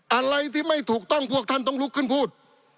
อะไรที่ไม่ถูกต้องพวกท่านต้องลุกขึ้นพูด